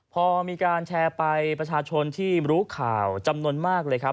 พอมีการแชร์ไปประชาชนที่รู้ข่าวจำนวนมากเลยครับ